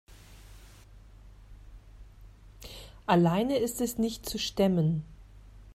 Alleine ist es nicht zu stemmen.